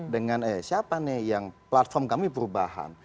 dengan eh siapa nih yang platform kami perubahan